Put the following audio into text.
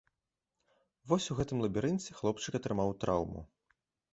Вось у гэтым лабірынце хлопчык атрымаў траўму.